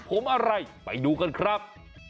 ผมอะไรไปดูกันครับ